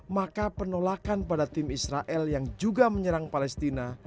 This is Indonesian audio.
maka penolakan pada tim israel yang juga menyerang palestina